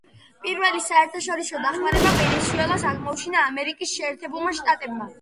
პირველი საერთაშორისო დახმარება ვენესუელას აღმოუჩინა ამერიკის შეერთებულმა შტატებმა.